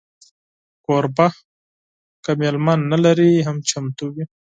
کوربه که میلمه نه لري، هم چمتو وي.